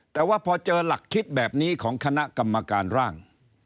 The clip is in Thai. แต่ว่าพอเจอหลักคิดแบบนี้ของคณะกรรมการร่าง